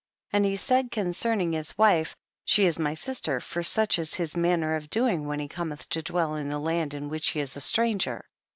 20. And he said concerning his wife, she is my sister, for such is his manner of doing when he cometh to dwell in the land in which he is a stranger.